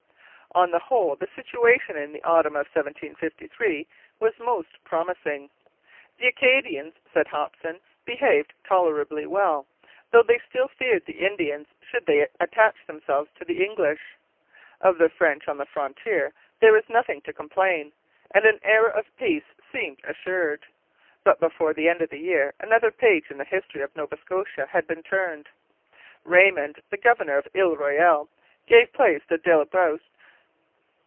On the whole, the situation in the autumn of 1753 was most promising. The Acadians, said Hopson, behaved 'tolerably well,' though they still feared the Indians should they attach themselves to the English. Of the French on the frontier there was nothing to complain; and an era of peace seemed assured. But before the end of the year another page in the history of Nova Scotia had been turned. Raymond, the governor of Ile Royale, gave place to D'Ailleboust.